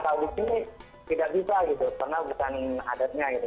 kalo di sini tidak bisa gitu karena bukan adatnya gitu